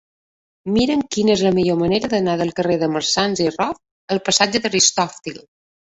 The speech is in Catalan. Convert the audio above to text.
Mira'm quina és la millor manera d'anar del carrer de Marsans i Rof al passatge d'Aristòtil.